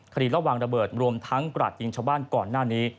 ขดีระวังระเบิดรวมทั้งกระดาษยิงชาวบ้านก่อนหน้านี้